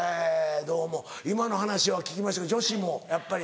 どうも今の話は聞きましたけど女子もやっぱり。